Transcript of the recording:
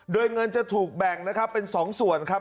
โดยเงินจะถูกแบ่งนะครับเป็น๒ส่วนครับ